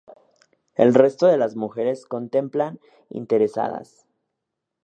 El resto de las mujeres lo contemplan, interesadas.